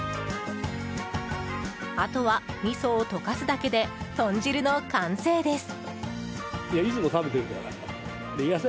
あとは、みそを溶かすだけで豚汁の完成です。